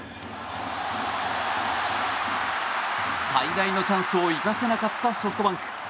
最大のチャンスを生かせなかったソフトバンク。